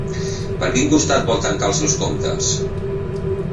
Per quin costat vol tancar els seus comptes?